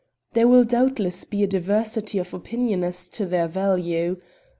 There will doubtless be a diversity of opinion as to their value.